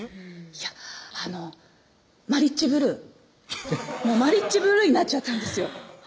いやあのマリッジブルーマリッジブルーになっちゃったんですよ